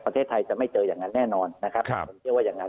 ประเทศไทยจะไม่เจออย่างนั้นแน่นอนนะครับผมเชื่อว่าอย่างนั้น